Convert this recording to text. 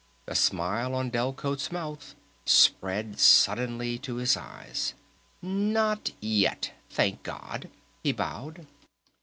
The smile on Delcote's mouth spread suddenly to his eyes. "Not yet, Thank God!" he bowed.